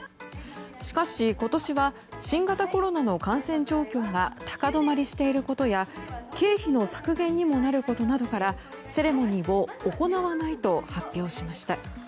しかし、今年は新型コロナの感染状況が高止まりしていることや経費の削減にもなることなどからセレモニーを行わないと発表しました。